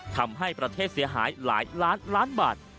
ทำให้ประเทศเสียหายหลายล้านล้านบาท